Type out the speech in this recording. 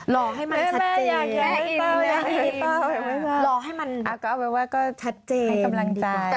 รอให้มันชัดเจนแม่อินรอให้มันชัดเจนให้กำลังใจ